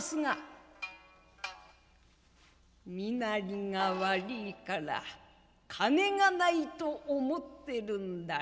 「身なりが悪いから金がないと思ってるんだろ。